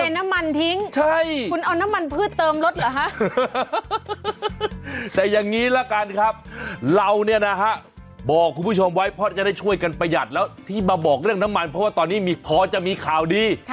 เป็นน้ำมันทิ้งใช่คุณเอาน้ำมันพืชเติมรถเหรอฮะแต่อย่างนี้ละกันครับเราเนี่ยนะฮะบอกคุณผู้ชมไว้เพราะจะได้ช่วยกันประหยัดแล้วที่มาบอกเรื่องน้ำมันเพราะว่าตอนนี้มีพอจะมีข่าวดี